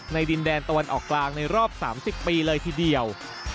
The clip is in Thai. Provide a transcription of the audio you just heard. ดินแดนตะวันออกกลางในรอบ๓๐ปีเลยทีเดียว